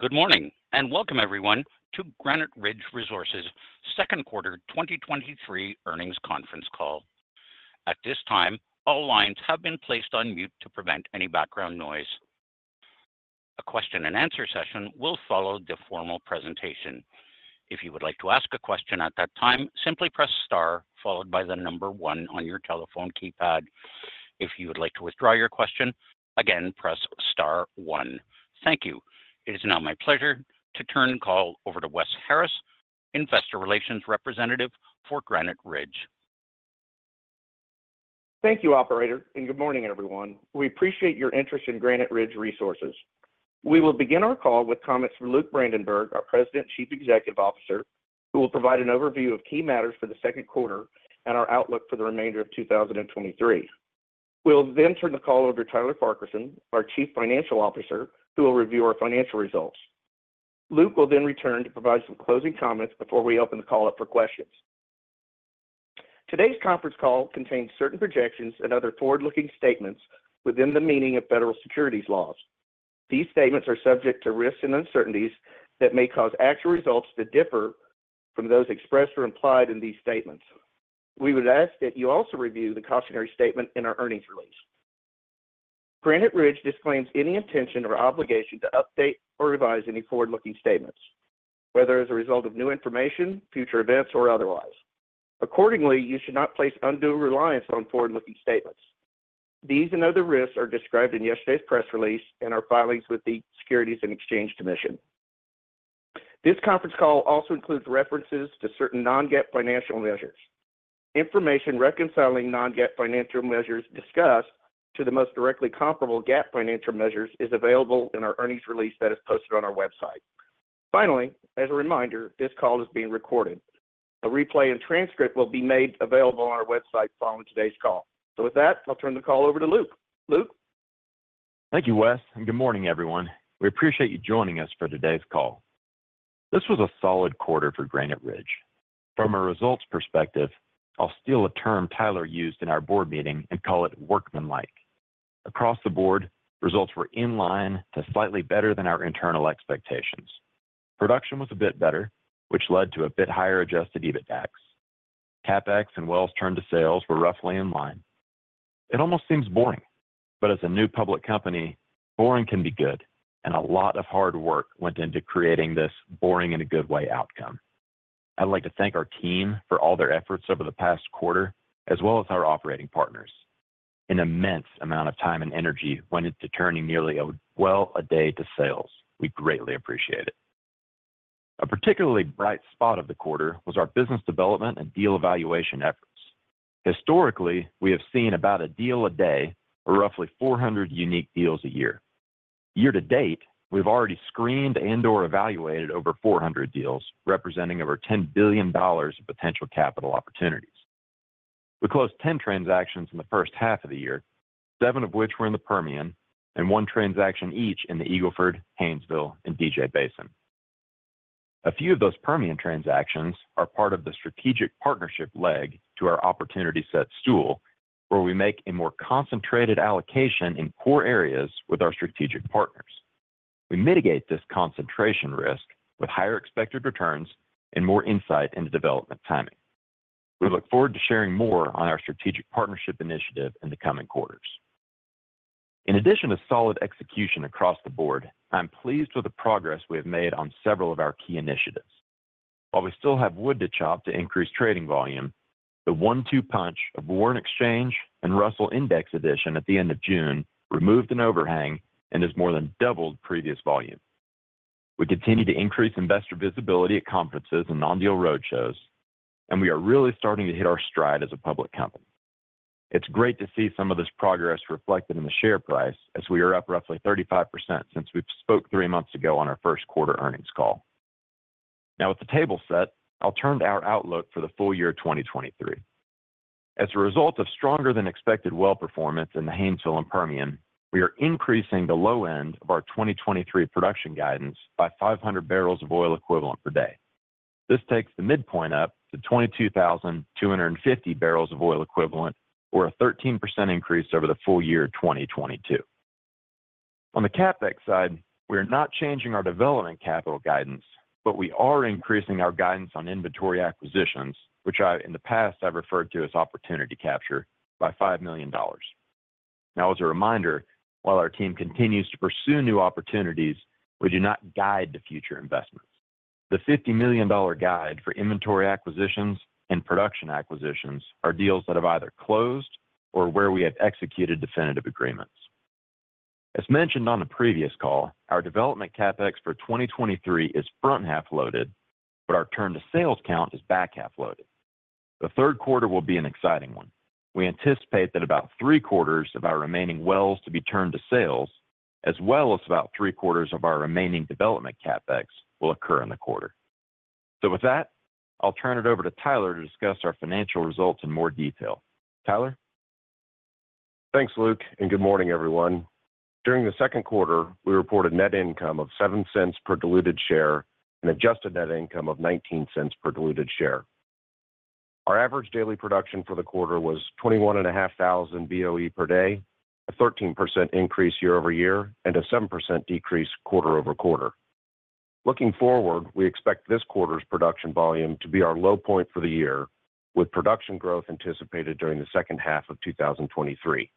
Good morning, welcome everyone to Granite Ridge Resources' Q2 2023 Earnings Conference Call. At this time, all lines have been placed on mute to prevent any background noise. A question and answer session will follow the formal presentation. If you would like to ask a question at that time, simply press star followed by the number one on your telephone keypad. If you would like to withdraw your question, again, press star one. Thank you. It is now my pleasure to turn the call over to Wes Harris, investor relations representative for Granite Ridge. Thank you, operator. Good morning, everyone. We appreciate your interest in Granite Ridge Resources. We will begin our call with comments from Luke Brandenburg, our President and Chief Executive Officer, who will provide an overview of key matters for the Q2 and our outlook for the remainder of 2023. We'll turn the call over to Tyler Farquharson, our Chief Financial Officer, who will review our financial results. Luke will return to provide some closing comments before we open the call up for questions. Today's conference call contains certain projections and other forward-looking statements within the meaning of federal securities laws. These statements are subject to risks and uncertainties that may cause actual results to differ from those expressed or implied in these statements. We would ask that you also review the cautionary statement in our earnings release. Granite Ridge disclaims any intention or obligation to update or revise any forward-looking statements, whether as a result of new information, future events, or otherwise. Accordingly, you should not place undue reliance on forward-looking statements. These and other risks are described in yesterday's press release and our filings with the Securities and Exchange Commission. This conference call also includes references to certain non-GAAP financial measures. Information reconciling non-GAAP financial measures discussed to the most directly comparable GAAP financial measures is available in our earnings release that is posted on our website. Finally, as a reminder, this call is being recorded. A replay and transcript will be made available on our website following today's call. With that, I'll turn the call over to Luke. Luke? Thank you, Wes. Good morning, everyone. We appreciate you joining us for today's call. This was a solid quarter for Granite Ridge. From a results perspective, I'll steal a term Tyler used in our board meeting and call it workmanlike. Across the board, results were in line to slightly better than our internal expectations. Production was a bit better, which led to a bit higher adjusted EBITDAX. CapEx and wells turned to sales were roughly in line. It almost seems boring, but as a new public company, boring can be good, and a lot of hard work went into creating this boring in a good way outcome. I'd like to thank our team for all their efforts over the past quarter, as well as our operating partners. An immense amount of time and energy went into turning nearly one well a day to sales. We greatly appreciate it. A particularly bright spot of the quarter was our business development and deal evaluation efforts. Historically, we have seen about a deal a day or roughly 400 unique deals a year. Year to date, we've already screened and/or evaluated over 400 deals, representing over $10 billion of potential capital opportunities. We closed 10 transactions in the H1 of the year, seven of which were in the Permian and one transaction each in the Eagle Ford, Haynesville, and DJ Basin. A few of those Permian transactions are part of the strategic partnership leg to our opportunity set stool, where we make a more concentrated allocation in core areas with our strategic partners. We mitigate this concentration risk with higher expected returns and more insight into development timing. We look forward to sharing more on our strategic partnership initiative in the coming quarters. In addition to solid execution across the board, I'm pleased with the progress we have made on several of our key initiatives. While we still have wood to chop to increase trading volume, the one-two punch of Warrant Exchange and Russell Index addition at the end of June removed an overhang and has more than doubled previous volume. We continue to increase investor visibility at conferences and non-deal roadshows, and we are really starting to hit our stride as a public company. It's great to see some of this progress reflected in the share price, as we are up roughly 35% since we spoke three months ago on our Q1 earnings call. Now, with the table set, I'll turn to our outlook for the full year 2023. As a result of stronger than expected well performance in the Haynesville and Permian, we are increasing the low end of our 2023 production guidance by 500 barrels of oil equivalent per day. This takes the midpoint up to 22,250 barrels of oil equivalent, or a 13% increase over the full year 2022. On the CapEx side, we are not changing our development capital guidance. We are increasing our guidance on inventory acquisitions, which in the past, I've referred to as opportunity capture, by $5 million. As a reminder, while our team continues to pursue new opportunities, we do not guide the future investments. The $50 million guide for inventory acquisitions and production acquisitions are deals that have either closed or where we have executed definitive agreements. As mentioned on a previous call, our development CapEx for 2023 is front-half loaded, but our turn to sales count is back-half loaded. The Q3 will be an exciting one. We anticipate that about three-quarters of our remaining wells to be turned to sales, as well as about three-quarters of our remaining development CapEx, will occur in the quarter. With that, I'll turn it over to Tyler to discuss our financial results in more detail. Tyler? Thanks, Luke, and good morning, everyone. During the Q2, we reported net income of $0.07 per diluted share and adjusted net income of $0.19 per diluted share. Our average daily production for the quarter was 21,500 BOE per day, a 13% increase year-over-year, and a 7% decrease quarter-over-quarter. Looking forward, we expect this quarter's production volume to be our low point for the year, with production growth anticipated during the H2 of 2023.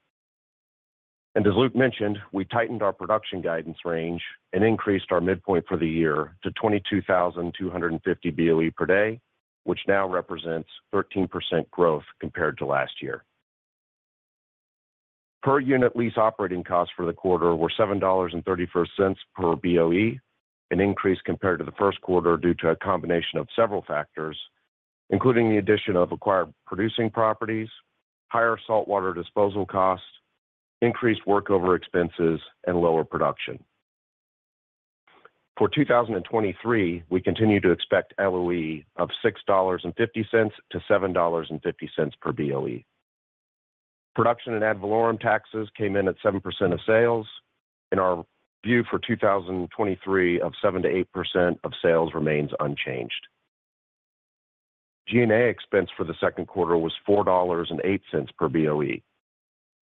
As Luke mentioned, we tightened our production guidance range and increased our midpoint for the year to 22,250 BOE per day, which now represents 13% growth compared to last year. Per unit lease operating costs for the quarter were $7.31 per BOE, an increase compared to the Q1 due to a combination of several factors, including the addition of acquired producing properties, higher saltwater disposal costs, increased workover expenses, and lower production. For 2023, we continue to expect LOE of $6.50-$7.50 per BOE. Production and ad valorem taxes came in at 7% of sales. Our view for 2023 of 7%-8% of sales remains unchanged. G&A expense for the Q2 was $4.08 per BOE.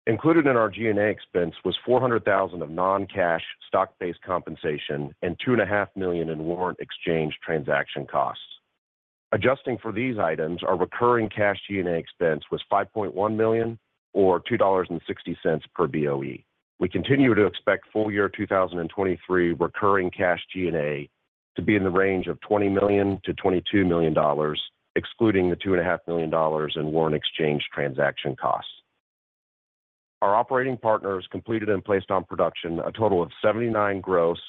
Included in our G&A expense was $400,000 of non-cash stock-based compensation and $2.5 million in Warrant Exchange transaction costs. Adjusting for these items, our recurring cash G&A expense was $5.1 million or $2.60 per BOE. We continue to expect full year 2023 recurring cash G&A to be in the range of $20 million-$22 million, excluding the $2.5 million in warrant exchange transaction costs. Our operating partners completed and placed on production a total of 79 gross,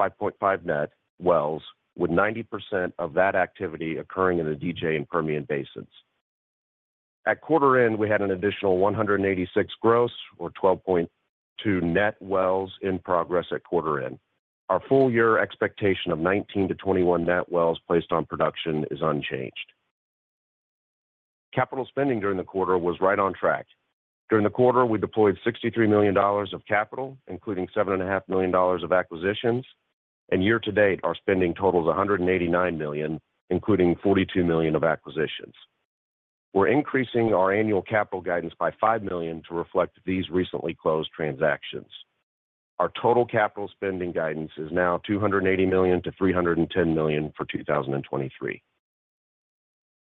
5.5 net wells, with 90% of that activity occurring in the DJ and Permian basins. At quarter end, we had an additional 186 gross or 12.2 net wells in progress at quarter end. Our full year expectation of 19-21 net wells placed on production is unchanged. Capital spending during the quarter was right on track. During the quarter, we deployed $63 million of capital, including $7.5 million of acquisitions. Year to date, our spending totals $189 million, including $42 million of acquisitions. We're increasing our annual capital guidance by $5 million to reflect these recently closed transactions. Our total capital spending guidance is now $280 million-$310 million for 2023.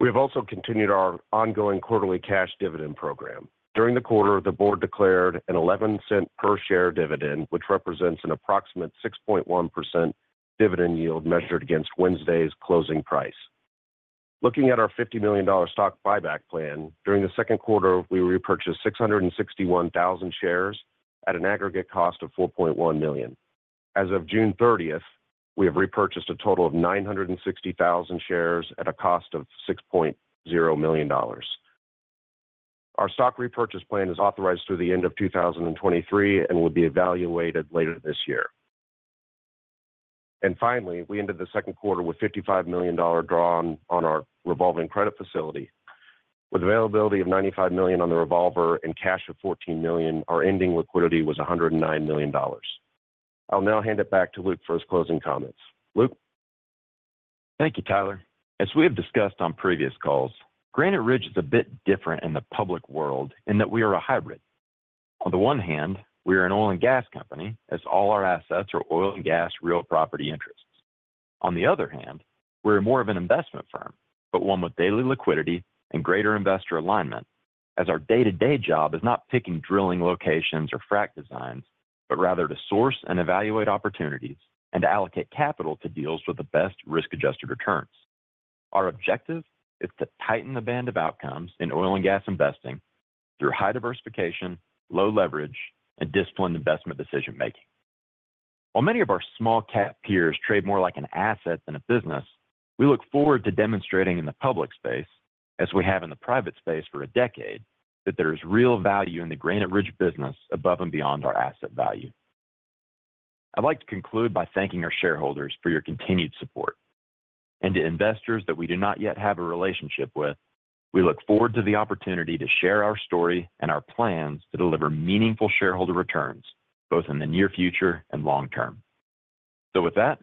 We have also continued our ongoing quarterly cash dividend program. During the quarter, the board declared an $0.11 per share dividend, which represents an approximate 6.1% dividend yield measured against Wednesday's closing price. Looking at our $50 million stock buyback plan, during the Q2, we repurchased 661,000 shares at an aggregate cost of $4.1 million. As of June 30th, we have repurchased a total of 960,000 shares at a cost of $6.0 million. Our stock repurchase plan is authorized through the end of 2023 and will be evaluated later this year. Finally, we ended the Q2 with $55 million drawn on our revolving credit facility. With availability of $95 million on the revolver and cash of $14 million, our ending liquidity was $109 million. I'll now hand it back to Luke for his closing comments. Luke? Thank you, Tyler. As we have discussed on previous calls, Granite Ridge is a bit different in the public world in that we are a hybrid. On the one hand, we are an oil and gas company, as all our assets are oil and gas real property interests. On the other hand, we're more of an investment firm, but one with daily liquidity and greater investor alignment, as our day-to-day job is not picking drilling locations or frac designs, but rather to source and evaluate opportunities and allocate capital to deals with the best risk-adjusted returns. Our objective is to tighten the band of outcomes in oil and gas investing through high diversification, low leverage, and disciplined investment decision-making. While many of our small cap peers trade more like an asset than a business, we look forward to demonstrating in the public space, as we have in the private space for a decade, that there is real value in the Granite Ridge business above and beyond our asset value. I'd like to conclude by thanking our shareholders for your continued support. To investors that we do not yet have a relationship with, we look forward to the opportunity to share our story and our plans to deliver meaningful shareholder returns, both in the near future and long term. With that,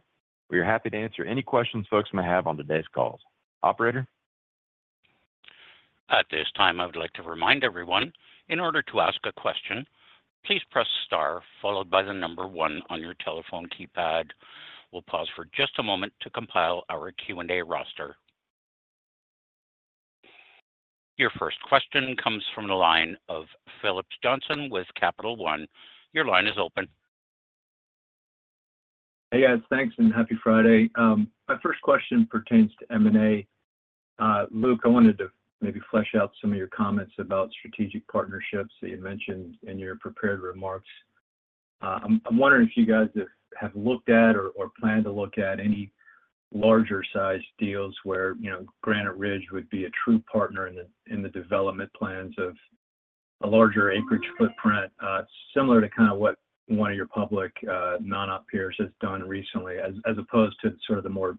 we are happy to answer any questions folks may have on today's call. Operator? At this time, I would like to remind everyone, in order to ask a question, please press star, followed by the number one on your telephone keypad. We'll pause for just a moment to compile our Q&A roster. Your first question comes from the line of Phillips Johnston with Capital One. Your line is open. Hey, guys. Thanks, and happy Friday. My first question pertains to M&A. Luke, I wanted to maybe flesh out some of your comments about strategic partnerships that you mentioned in your prepared remarks. I'm, I'm wondering if you guys have, have looked at or, or plan to look at any larger-sized deals where, you know, Granite Ridge would be a true partner in the, in the development plans of a larger acreage footprint, similar to kind of what one of your public, non-op peers has done recently, as, as opposed to sort of the more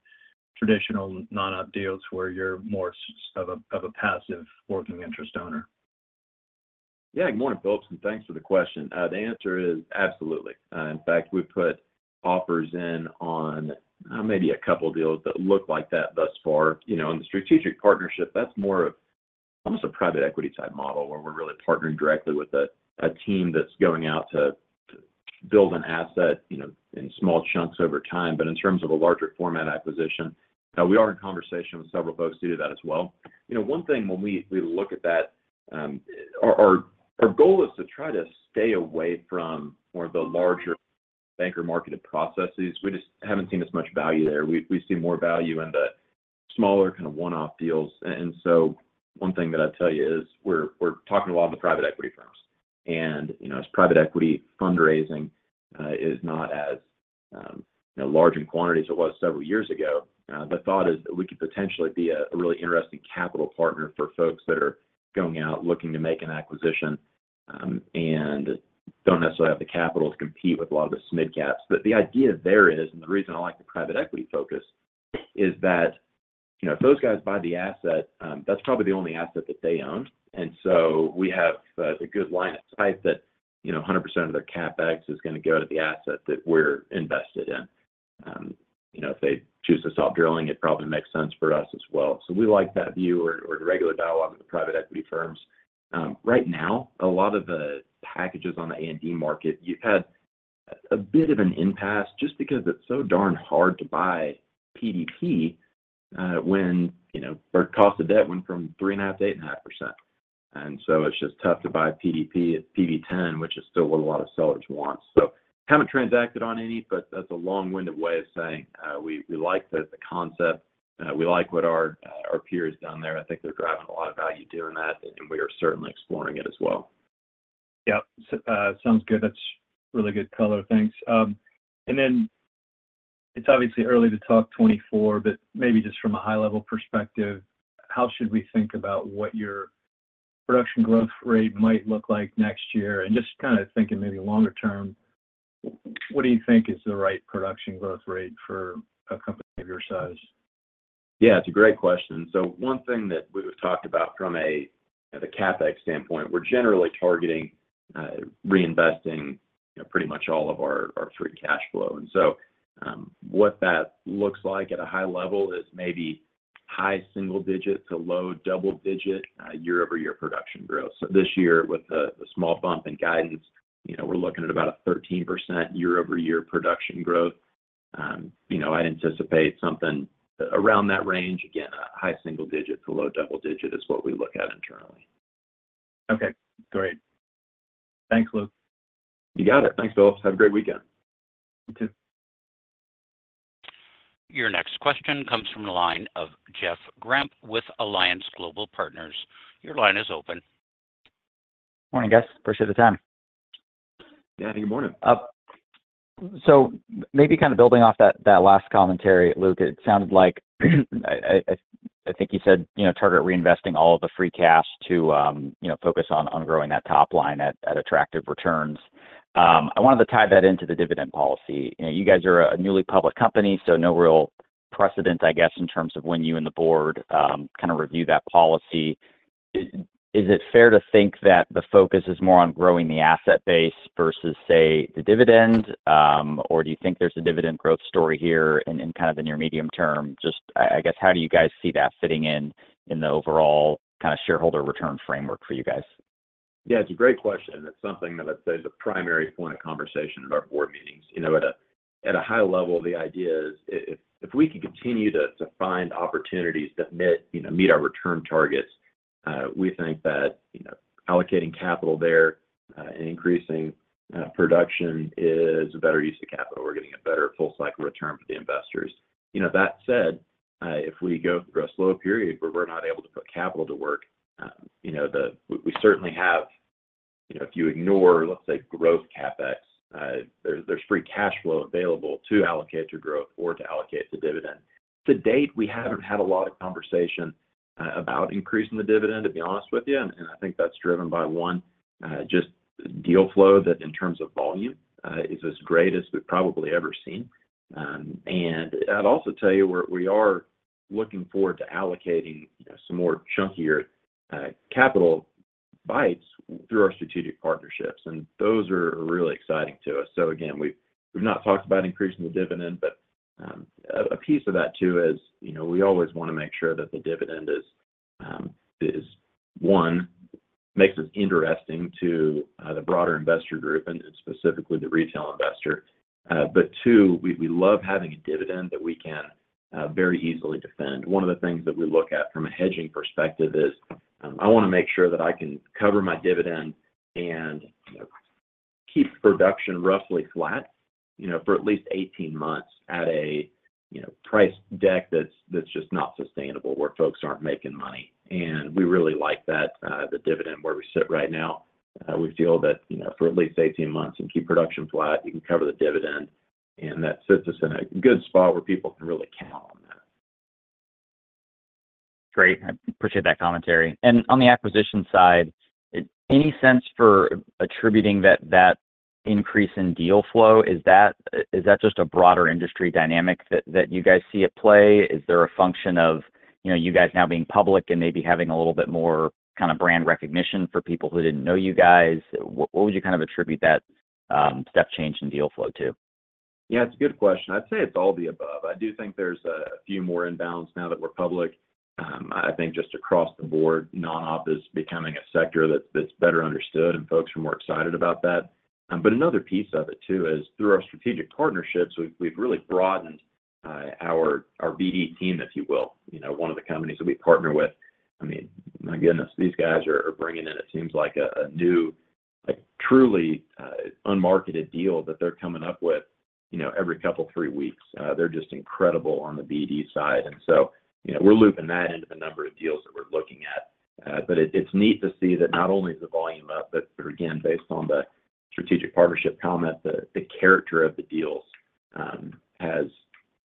traditional non-op deals, where you're more of a, of a passive working interest owner? Yeah, good morning, Phillips, and thanks for the question. The answer is absolutely. In fact, we've put offers in on maybe a couple deals that look like that thus far. You know, in the strategic partnership, that's more of almost a private equity type model, where we're really partnering directly with a team that's going out to build an asset, you know, in small chunks over time. In terms of a larger format acquisition, we are in conversation with several folks to do that as well. You know, one thing when we, we look at that, our, our, our goal is to try to stay away from more of the larger banker marketed processes. We just haven't seen as much value there. We, we see more value in the smaller, kind of one-off deals. One thing that I'd tell you is we're talking to a lot of the private equity firms. You know, as private equity fundraising, is not as, you know, large in quantity as it was several years ago, the thought is that we could potentially be a really interesting capital partner for folks that are going out, looking to make an acquisition, and don't necessarily have the capital to compete with a lot of the mid caps. The idea there is, and the reason I like the private equity focus, is that, you know, if those guys buy the asset, that's probably the only asset that they own, and so we have a good line of sight that, you know, 100% of their CapEx is gonna go to the asset that we're invested in. You know, if they choose to stop drilling, it probably makes sense for us as well. We like that view or, or the regular dialogue with the private equity firms. Right now, a lot of the packages on the A&D market, you've had a bit of an impasse just because it's so darn hard to buy PDP, when, you know, their cost of debt went from 3.5% to 8.5%. It's just tough to buy PDP at PD10, which is still what a lot of sellers want. Haven't transacted on any, that's a long-winded way of saying, we, we like the, the concept, we like what our, our peers down there. I think they're driving a lot of value doing that, and we are certainly exploring it as well. Yep. Sounds good. That's really good color. Thanks. Then it's obviously early to talk 2024, but maybe just from a high level perspective, how should we think about what your production growth rate might look like next year? Just kind of thinking maybe longer term, what do you think is the right production growth rate for a company of your size? Yeah, it's a great question. One thing that we've talked about from a, the CapEx standpoint, we're generally targeting, reinvesting pretty much all of our, our free cash flow. What that looks like at a high level is maybe high single-digit to low double-digit, year-over-year production growth. This year, with the, the small bump in guidance, you know, we're looking at about a 13% year-over-year production growth. you know, I anticipate something around that range. Again, a high single-digit to low double-digit is what we look at internally. Okay, great. Thanks, Luke. You got it. Thanks, Phillips. Have a great weekend. You too. Your next question comes from the line of Jeff Grampp with Alliance Global Partners. Your line is open. Morning, guys. Appreciate the time. Yeah, good morning. Maybe kind of building off that, that last commentary, Luke, it sounded like, I, I, I, I think you said, you know, target reinvesting all of the free cash to, you know, focus on, on growing that top line at, at attractive returns. I wanted to tie that into the dividend policy. You know, you guys are a newly public company, so no real precedent, I guess, in terms of when you and the board, kind of review that policy. Is it fair to think that the focus is more on growing the asset base versus, say, the dividend? Do you think there's a dividend growth story here in, in kind of the near medium term? Just I guess, how do you guys see that fitting in in the overall kind of shareholder return framework for you guys? Yeah, it's a great question, and it's something that, let's say, is a primary point of conversation at our board meetings. You know, at a, at a high level, the idea is if, if we can continue to, to find opportunities that meet, you know, meet our return targets, we think that, you know, allocating capital there, and increasing, production is a better use of capital. We're getting a better full cycle return for the investors. You know, that said, if we go through a slow period where we're not able to put capital to work, you know, the... We, we certainly have, you know, if you ignore, let's say, growth CapEx, there's, there's free cash flow available to allocate to growth or to allocate to dividend. To date, we haven't had a lot of conversation about increasing the dividend, to be honest with you. I think that's driven by, one, just deal flow that in terms of volume is as great as we've probably ever seen. I'd also tell you, we're, we are looking forward to allocating some more chunkier capital bites through our strategic partnerships, and those are really exciting to us. Again, we've, we've not talked about increasing the dividend, but a piece of that too is, you know, we always wanna make sure that the dividend is, is, one, makes us interesting to the broader investor group and specifically the retail investor. Two, we, we love having a dividend that we can very easily defend. One of the things that we look at from a hedging perspective is, I wanna make sure that I can cover my dividend and, you know, keep production roughly flat, you know, for at least 18 months at a, you know, price deck that's, that's just not sustainable, where folks aren't making money. We really like that, the dividend where we sit right now. We feel that, you know, for at least 18 months and keep production flat, you can cover the dividend, and that sits us in a good spot where people can really count on that. Great. I appreciate that commentary. On the acquisition side, any sense for attributing that increase in deal flow, is that, is that just a broader industry dynamic that you guys see at play? Is there a function of, you know, you guys now being public and maybe having a little bit more kind of brand recognition for people who didn't know you guys? What, what would you kind of attribute that step change in deal flow to? Yeah, it's a good question. I'd say it's all the above. I do think there's a few more inbounds now that we're public. I think just across the board, non-op is becoming a sector that's better understood, and folks are more excited about that. Another piece of it, too, is through our strategic partnerships, we've really broadened our BD team, if you will. You know, one of the companies that we partner with, I mean, my goodness, these guys are bringing in, it seems like a new, a truly unmarketed deal that they're coming up with, you know, every couple, three weeks. They're just incredible on the BD side, and so, you know, we're looping that into the number of deals that we're looking at. It, it's neat to see that not only is the volume up, but, but again, based on the strategic partnership comment, the, the character of the deals has,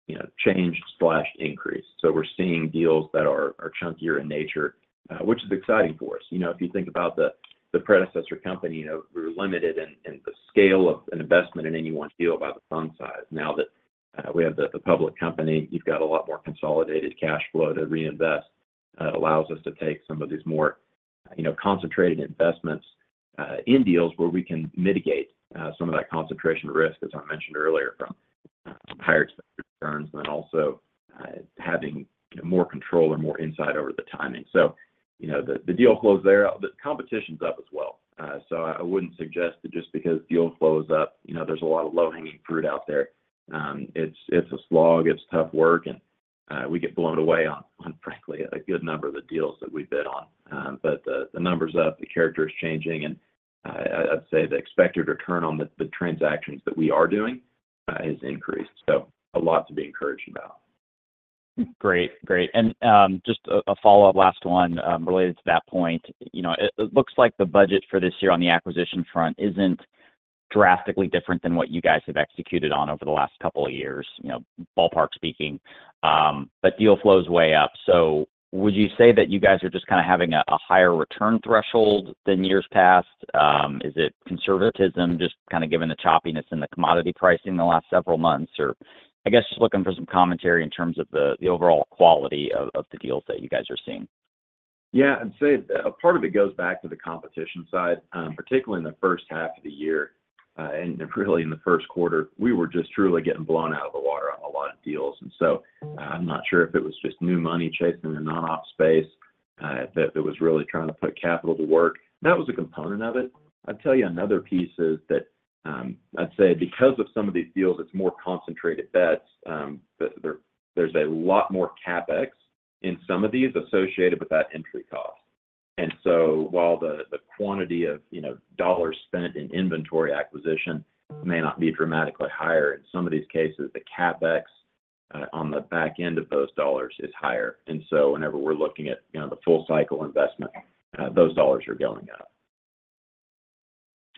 you know, changed/increased. We're seeing deals that are, are chunkier in nature, which is exciting for us. You know, if you think about the, the predecessor company, you know, we were limited in, in the scale of an investment in any one deal by the fund size. Now that we have the, the public company, you've got a lot more consolidated cash flow to reinvest. Allows us to take some of these more, you know, concentrated investments in deals where we can mitigate some of that concentration risk, as I mentioned earlier, from higher expected returns, and then also having more control or more insight over the timing. You know, the, the deal flow is there. The competition's up as well. I wouldn't suggest that just because deal flow is up, you know, there's a lot of low-hanging fruit out there. It's, it's a slog, it's tough work, and, we get blown away on, on frankly, a good number of the deals that we bid on. The, the number's up, the character is changing, and I, I'd say the expected return on the, the transactions that we are doing, has increased, so a lot to be encouraged about. Great. Great. Just a follow-up, last one, related to that point. You know, it looks like the budget for this year on the acquisition front isn't drastically different than what you guys have executed on over the last couple of years, you know, ballpark speaking, but deal flow is way up. Would you say that you guys are just kind of having a higher return threshold than years past? Is it conservatism, just kind of given the choppiness in the commodity pricing in the last several months, or I guess just looking for some commentary in terms of the overall quality of the deals that you guys are seeing? Yeah, I'd say a part of it goes back to the competition side, particularly in the H1 of the year. Really in the Q1, we were just truly getting blown out of the water on a lot of deals, so I'm not sure if it was just new money chasing the non-op space, that, that was really trying to put capital to work. That was a component of it. I'd tell you another piece is that, I'd say because of some of these deals, it's more concentrated bets, but there, there's a lot more CapEx in some of these associated with that entry cost. So while the, the quantity of, you know, dollars spent in inventory acquisition may not be dramatically higher, in some of these cases, the CapEx, on the back end of those dollars is higher. Whenever we're looking at, you know, the full cycle investment, those dollars are going up.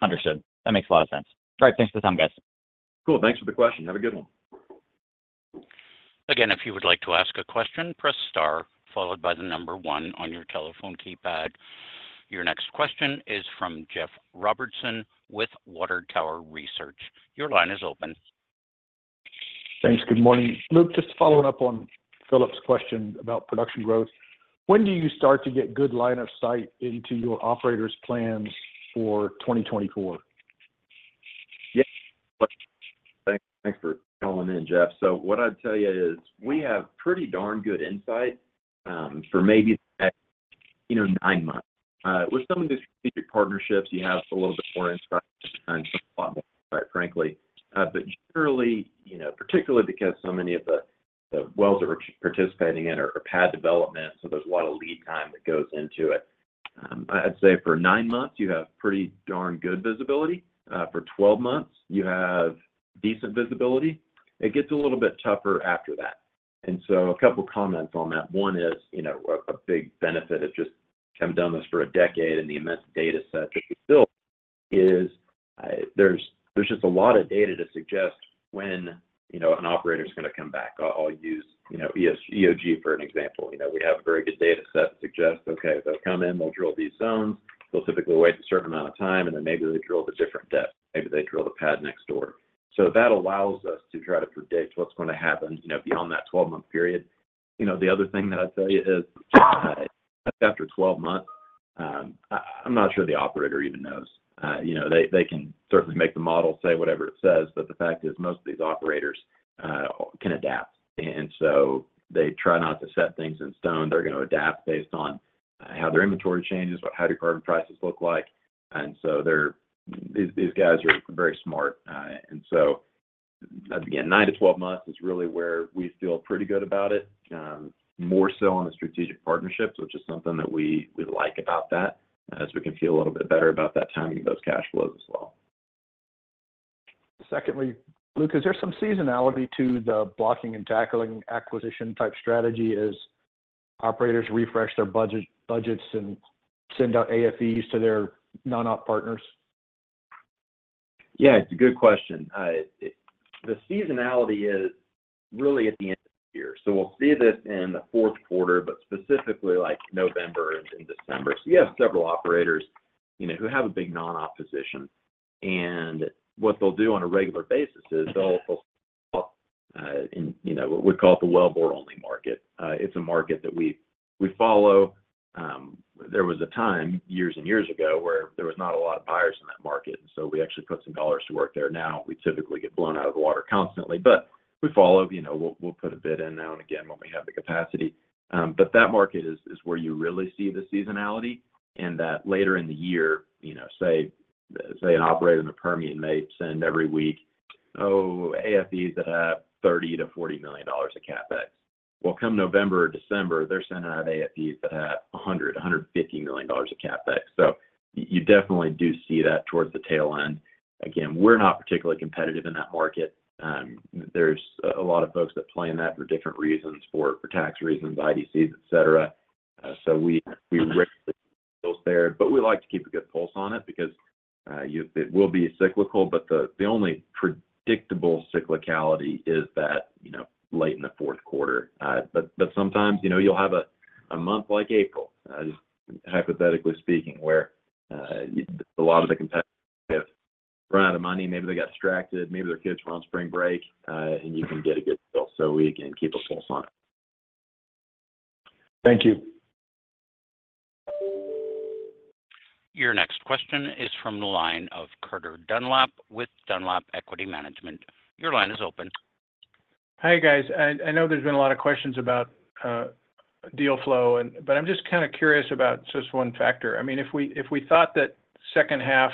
Understood. That makes a lot of sense. All right, thanks for the time, guys. Cool. Thanks for the question. Have a good one. Again, if you would like to ask a question, press star, followed by the number one on your telephone keypad. Your next question is from Jeff Robertson with Water Tower Research. Your line is open. Thanks. Good morning. Luke, just following up on Philips' question about production growth, when do you start to get good line of sight into your operators' plans for 2024? Yeah. Thanks, thanks for calling in, Jeff. What I'd tell you is we have pretty darn good insight, for maybe the next, you know, 9 months. With some of the strategic partnerships, you have a little bit more insight, quite frankly. Generally, you know, particularly because so many of the, the wells that we're participating in are pad development, so there's a lot of lead time that goes into it. I'd say for 9 months, you have pretty darn good visibility. For 12 months, you have decent visibility. It gets a little bit tougher after that. A couple of comments on that. One is, you know, a, a big benefit of just... I've done this for a decade, and the immense data set that we built is, there's just a lot of data to suggest when, you know, an operator is gonna come back. I'll use, you know, EOG for an example. You know, we have a very good data set to suggest, okay, they'll come in, they'll drill these zones, they'll typically wait a certain amount of time, and then maybe they drill at a different depth. Maybe they drill the pad next door. That allows us to try to predict what's going to happen, you know, beyond that 12-month period. You know, the other thing that I'd tell you is, after 12 months, I'm not sure the operator even knows. You know, they can certainly make the model say whatever it says, but the fact is, most of these operators can adapt. They try not to set things in stone. They're going to adapt based on how their inventory changes, what hydrocarbon prices look like. These, these guys are very smart. So, again, 9-12 months is really where we feel pretty good about it, more so on the strategic partnerships, which is something that we, we like about that, as we can feel a little bit better about that timing of those cash flows as well. Secondly, Luke, is there some seasonality to the blocking and tackling acquisition type strategy as operators refresh their budgets and send out AFEs to their non-op partners? Yeah, it's a good question. The seasonality really at the end of the year. We'll see this in the Q4, but specifically like November and in December. You have several operators, you know, who have a big non-op position, and what they'll do on a regular basis is they'll, they'll, in, you know, what we call the wellbore-only market. It's a market that we, we follow. There was a time, years and years ago, where there was not a lot of buyers in that market, so we actually put some dollars to work there. Now, we typically get blown out of the water constantly. We follow. You know, we'll, we'll put a bid in now and again when we have the capacity. That market is, is where you really see the seasonality, and that later in the year, you know, say, say an operator in the Permian may send every week, AFEs that have $30 million-$40 million of CapEx. Well, come November or December, they're sending out AFEs that have $100 million-$150 million of CapEx. You definitely do see that towards the tail end. Again, we're not particularly competitive in that market. There's a, a lot of folks that play in that for different reasons, for, for tax reasons, IDCs, et cetera. We, we risk- those there, but we like to keep a good pulse on it because, it will be cyclical, but the, the only predictable cyclicality is that, you know, late in the Q4. Sometimes, you know, you'll have a month like April, just hypothetically speaking, where a lot of the competitors have run out of money. Maybe they got distracted, maybe their kids were on spring break, and you can get a good deal. We, again, keep a pulse on it. Thank you. Your next question is from the line of Carter Dunlap with Dunlap Equity Management. Your line is open. Hi, guys. I, I know there's been a lot of questions about deal flow and. I'm just kind of curious about just one factor. I mean, if we, if we thought that H2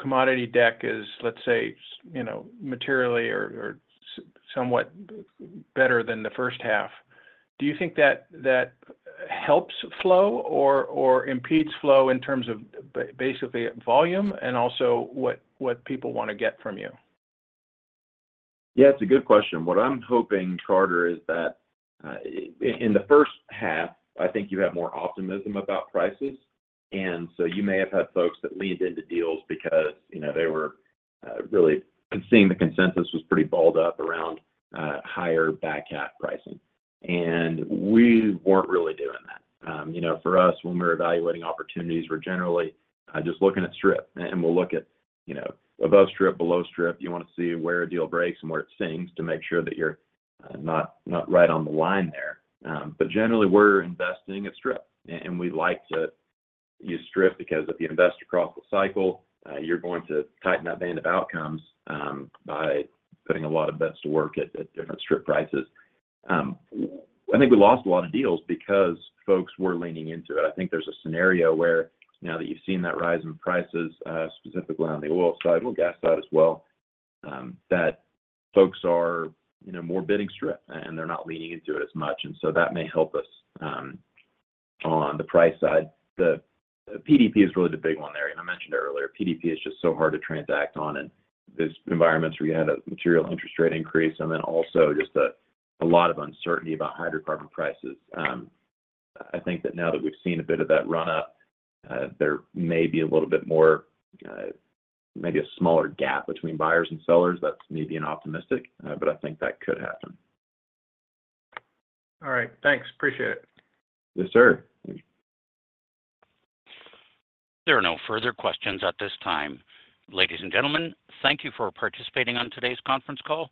commodity deck is, let's say, you know, materially or somewhat better than the H1, do you think that that helps flow or impedes flow in terms of basically volume and also what, what people want to get from you? Yeah, it's a good question. What I'm hoping, Carter, is that in the H1, I think you have more optimism about prices. So you may have had folks that leaned into deals because, you know, they were really seeing the consensus was pretty balled up around higher backhand pricing. We weren't really doing that. You know, for us, when we're evaluating opportunities, we're generally just looking at strip. We'll look at, you know, above strip, below strip. You want to see where a deal breaks and where it sings to make sure that you're not, not right on the line there. Generally, we're investing at strip, and we like to use strip because if you invest across the cycle, you're going to tighten that band of outcomes by putting a lot of bets to work at different strip prices. I think we lost a lot of deals because folks were leaning into it. I think there's a scenario where now that you've seen that rise in prices, specifically on the oil side, well, gas side as well, that folks are, you know, more bidding strip, and they're not leaning into it as much, and so that may help us on the price side. The PDP is really the big one there, and I mentioned earlier, PDP is just so hard to transact on, and there's environments where you had a material interest rate increase and then also just a lot of uncertainty about hydrocarbon prices. I think that now that we've seen a bit of that run up, there may be a little bit more, maybe a smaller gap between buyers and sellers. That's maybe an optimistic, but I think that could happen. All right. Thanks. Appreciate it. Yes, sir. There are no further questions at this time. Ladies and gentlemen, thank you for participating on today's conference call.